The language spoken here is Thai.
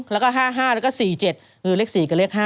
แล้วก็๕๕แล้วก็๔๗เลข๔กับเลข๕